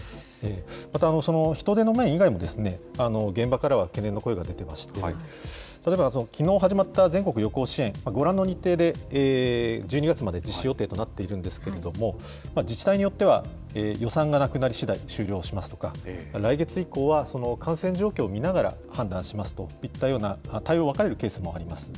また、人手の面以外も、現場からは懸念の声が出てまして、例えば、きのう始まった全国旅行支援、ご覧の日程で１２月まで実施予定となっているんですけれども、自治体によっては予算がなくなりしだい終了しますとか、来月以降は、感染状況を見ながら判断しますといったような対応、分かれるケースもあります。